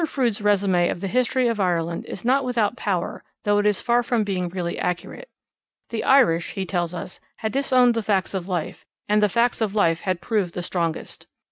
Froude's resume of the history of Ireland is not without power though it is far from being really accurate. 'The Irish,' he tells us, 'had disowned the facts of life, and the facts of life had proved the strongest.'